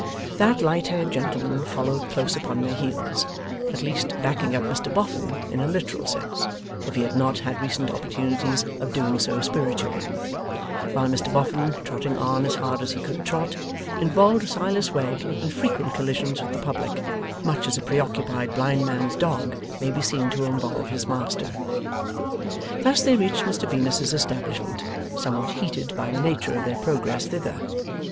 That light haired gentleman followed close upon their heels, at least backing up Mr Boffin in a literal sense, if he had not had recent opportunities of doing so spiritually; while Mr Boffin, trotting on as hard as he could trot, involved Silas Wegg in frequent collisions with the public, much as a pre occupied blind man's dog may be seen to involve his master. Thus they reached Mr Venus's establishment, somewhat heated by the nature of their progress thither.